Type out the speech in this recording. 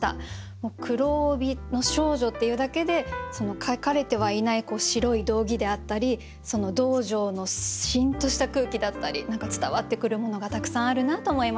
もう「黒帯の少女」っていうだけで書かれてはいない白い道着であったり道場の「シン」とした空気だったり何か伝わってくるものがたくさんあるなと思いました。